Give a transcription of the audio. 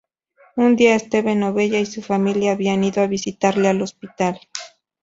Un día Steven Novella y su familia habían ido a visitarle al hospital.